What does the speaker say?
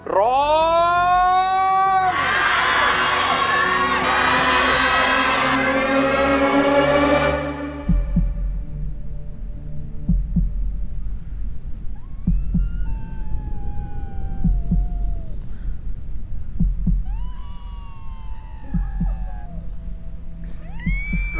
ร้อง